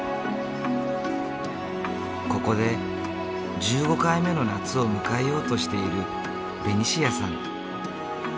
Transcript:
ここで１５回目の夏を迎えようとしているベニシアさん。